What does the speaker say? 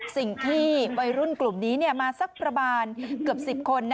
สิ่งที่วัยรุ่นกลุ่มนี้มาสักประมาณเกือบ๑๐คน